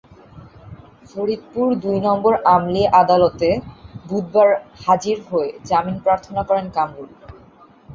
ফরিদপুর দুই নম্বর আমলি আদালতে বুধবার হাজির হয়ে জামিন প্রার্থনা করেন কামরুল।